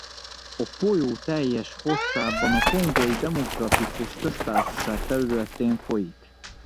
A folyó teljes hosszában a Kongói Demokratikus Köztársaság területén folyik.